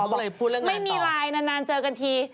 บอกไม่มีไลน์นานเจอกันที